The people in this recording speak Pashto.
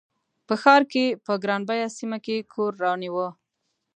په ښار په ګران بیه سیمه کې کور رانیوه.